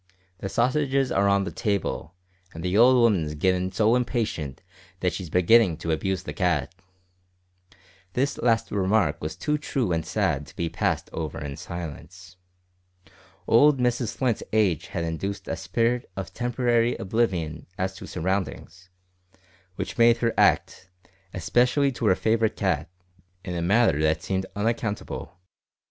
The sausages are on the table, and the old 'ooman's gittin' so impatient that she's beginnin' to abuse the cat." This last remark was too true and sad to be passed over in silence. Old Mrs Flint's age had induced a spirit of temporary oblivion as to surroundings, which made her act, especially to her favourite cat, in a manner that seemed unaccountable.